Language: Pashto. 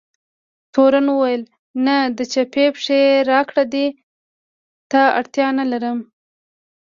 تورن وویل: نه، د چپې پښې راکړه، دې ته اړتیا نه لرم.